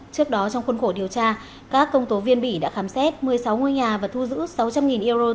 trước đó trong khuôn khổ điều tra các công tố viên bỉ đã khám xét một mươi sáu ngôi nhà và thu giữ sáu trăm linh euro tiền mặt máy tính và điện thoại di động